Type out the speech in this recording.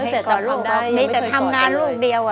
หึไม่จะทำงานลูกเดียวอ่ะ